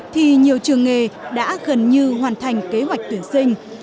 thì nhiều trường nghề đã gần như hoàn thành kế hoạch tuyển sinh